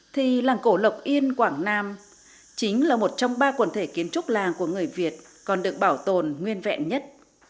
thì làng cổ lộc yên quảng nam chính là một trong ba quần thể kiến trúc làng của người việt còn được bảo tồn nguyên vẹn nhất